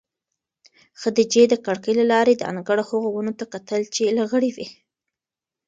خدیجې د کړکۍ له لارې د انګړ هغو ونو ته کتل چې لغړې وې.